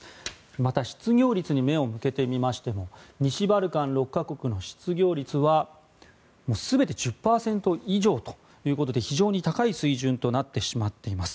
また、失業率に目を向けてみましても西バルカン６か国の失業率は全て１０％以上ということで非常に高い水準となってしまっています。